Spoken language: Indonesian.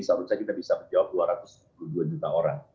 seharusnya kita bisa menjawab dua ratus dua puluh dua juta orang